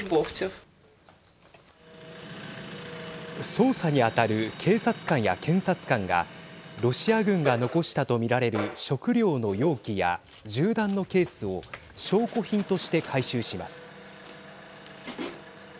捜査に当たる警察官や検察官がロシア軍が残したとみられる食料の容器や銃弾のケースを証拠品として回収します。